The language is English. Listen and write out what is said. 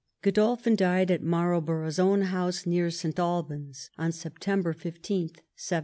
Godolphin died at Marlborough's own house, near St. Albans, on September 15, 1712.